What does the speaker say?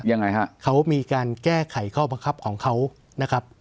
ยังไงฮะเขามีการแก้ไขข้อบังคับของเขานะครับ